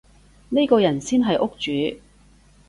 呢個人先係屋主